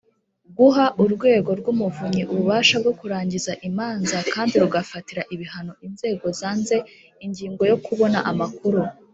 Guha urwego rw umuvunyi ububasha bwo kurangiza imanza kandi rugafatira ibihano inzego zanze ingingo yo kubona amakuru